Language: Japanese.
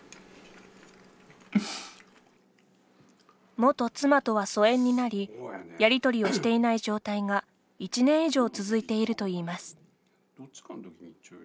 元妻とは疎遠になりやりとりをしていない状態が１年以上続いているといいます。